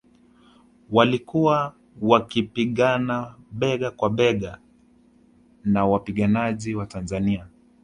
Walikuwa wakipigana bega kwa bega na wapiganaji wa Tanzania